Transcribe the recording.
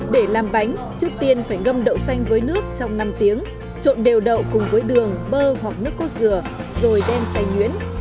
để làm bánh trước tiên phải ngâm đậu xanh với nước trong năm tiếng trộn đều đậu cùng với đường bơ hoặc nước cốt dừa rồi đem xay nhuyễn